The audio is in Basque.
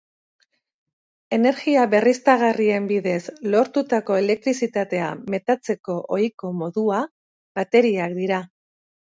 Energia berriztagarrien bidez lortutako elektrizitatea metatzeko ohiko modua bateriak dira.